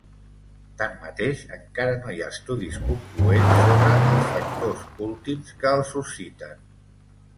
Tanmateix, encara no hi ha estudis concloents sobre els factors últims que el susciten.